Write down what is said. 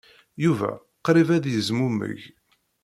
Yuba qrib ay d-yezmumeg.